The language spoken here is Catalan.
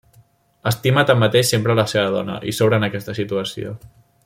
Estima tanmateix sempre la seva dona, i s'obre en aquesta situació.